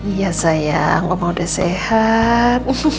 iya sayang mama udah sehat